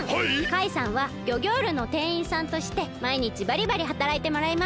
カイさんはギョギョールのてんいんさんとしてまいにちバリバリはたらいてもらいます！